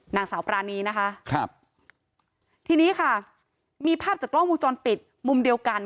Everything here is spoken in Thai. นางสาวปรานีนะคะครับทีนี้ค่ะมีภาพจากกล้องวงจรปิดมุมเดียวกัน